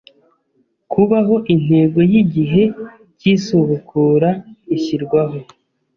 kubaho Intego y igihe cy isubukura ishyirwaho